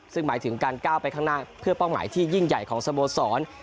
ซึ่งหมายถึงการก้าวไปข้างหน้าเพื่อเป้าหมายที่ยิ่งใหญ่ของสโมสร